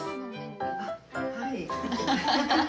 あっはい。